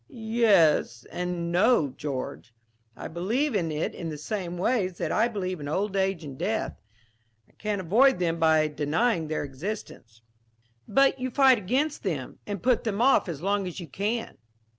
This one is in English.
"Yes and no, George. I believe in it in the same way that I believe in old age and death. I can't avoid them by denying their existence." "But you fight against them, and put them off as long as you can."